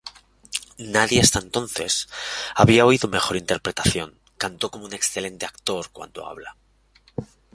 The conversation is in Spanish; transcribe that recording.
Nadie hasta entonces había oído mejor interpretación, cantó como un excelente actor cuando habla.